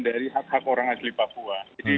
dari hak hak orang asli papua